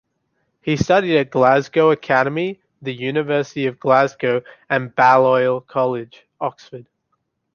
He studied at Glasgow Academy, the University of Glasgow and Balliol College, Oxford.